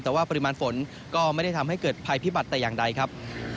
แต่ว่าปริมาณฝนก็ไม่ได้ทำให้เกิดภัยพิบัตรแต่อย่างใดครับ